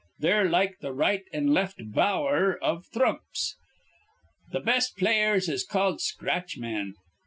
They're like th' right an' left bower iv thrumps. Th' best players is called scratch men."